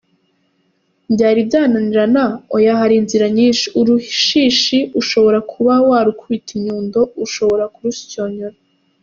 Byari byananirana? Oya! Hari inzira nyinshi, urushishi ushobora kuba warukubita inyundo, ushobora kurusyonyora.